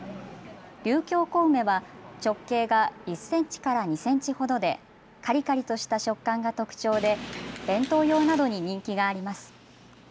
竜峡小梅は直径が１センチから２センチほどでカリカリとした食感が特徴で弁当用などに人気があります。